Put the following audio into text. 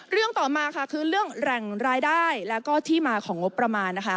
เรื่องต่อมาค่ะคือเรื่องแหล่งรายได้แล้วก็ที่มาของงบประมาณนะคะ